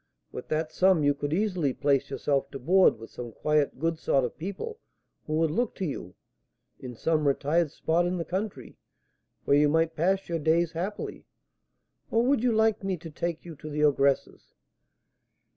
With that sum you could easily place yourself to board with some quiet, good sort of people, who would look to you, in some retired spot in the country, where you might pass your days happily. Or would you like me to take you to the ogress's?"